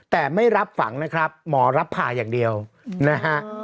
แต่ไม่รับฝังนะครับหมอรับผ่าอย่างเดียวนะฮะ